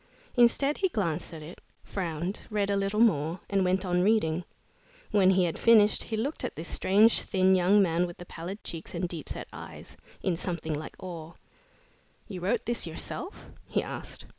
Instead he glanced at it, frowned, read a little more, and went on reading. When he had finished, he looked at this strange, thin young man with the pallid cheeks and deep set eyes, in something like awe. "You wrote this yourself?" he asked.